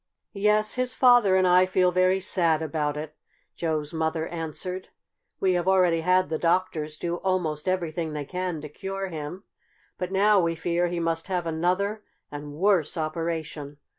"Yes, his father and I feel very sad about it," Joe's mother answered. "We have already had the doctors do almost everything they can to cure him, but now we fear he must have another and worse operation.